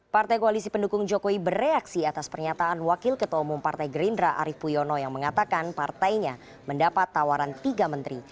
partai koalisi pendukung jokowi bereaksi atas pernyataan wakil ketua umum partai gerindra arief puyono yang mengatakan partainya mendapat tawaran tiga menteri